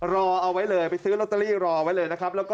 รอเอาไว้เลยรอไว้เลยนะครับ